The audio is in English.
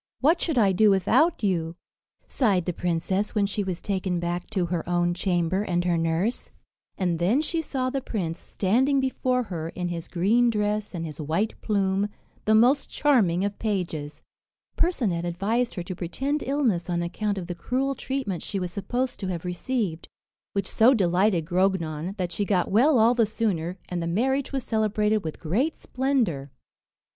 What should I do without you!" sighed the princess, when she was taken back to her own chamber and her nurse. And then she saw the prince standing before her, in his green dress and his white plume, the most charming of pages. Percinet advised her to pretend illness on account of the cruel treatment she was supposed to have received; which so delighted Grognon, that she got well all the sooner, and the marriage was celebrated with great splendour.